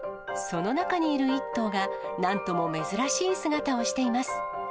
その中にいる１頭が、なんとも珍しい姿をしています。